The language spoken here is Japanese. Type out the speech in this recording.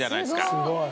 すごい。